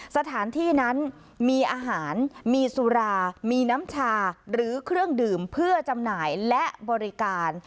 สถานที่นั้นมีอาหารมีสุรามีน้ำชาหรือเครื่องดื่มเพื่อจำหน่ายและบริการ